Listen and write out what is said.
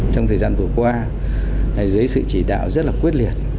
trong thời gian vừa qua dưới sự chỉ đạo rất là quyết liệt